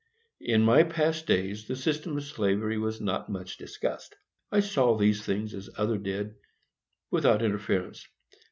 In my past days the system of slavery was not much discussed. I saw these things as others did, without interference.